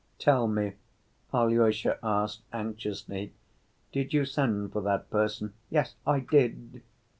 "Tell me," Alyosha asked anxiously, "did you send for that person?" "Yes, I did."